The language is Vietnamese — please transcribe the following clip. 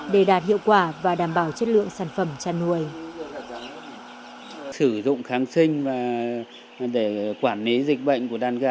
để đạt hiệu quả và đảm bảo chất lượng sản xuất